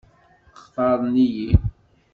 Xtaṛen-iyi?